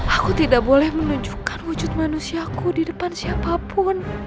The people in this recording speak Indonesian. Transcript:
aku tidak boleh menunjukkan wujud manusiaku di depan siapapun